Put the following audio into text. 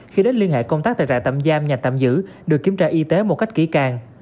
khi đến liên hệ công tác tại trại tạm giam nhà tạm giữ được kiểm tra y tế một cách kỹ càng